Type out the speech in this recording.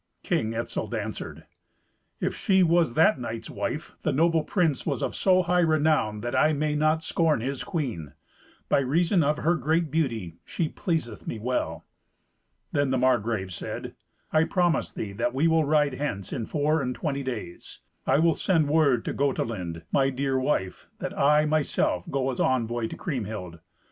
King Etzel answered, "If she was that knight's wife, the noble prince was of so high renown, that I may not scorn his queen. By reason of her great beauty she pleaseth me well." Then the Margrave said, "I promise thee that we will ride hence in four and twenty days. I will send word to Gotelind, my dear wife, that I, myself, go as envoy to Kriemhild."